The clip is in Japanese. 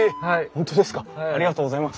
ありがとうございます。